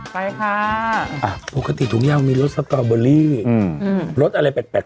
ไปค่ะอ่ะปกติถุงยาวมีรสสตรอเบอร์รี่อืมอืมรสอะไรแปลก